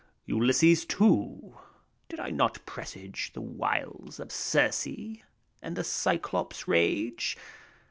Ulysses, too ! did I not him presage The wiles of Circe and the Cyclops' rage